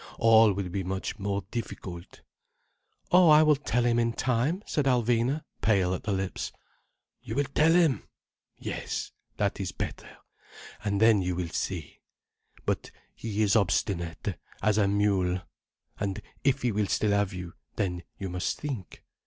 All will be much more difficult—" "Oh, I will tell him in time," said Alvina, pale at the lips. "You will tell him! Yes. That is better. And then you will see. But he is obstinate—as a mule. And if he will still have you, then you must think.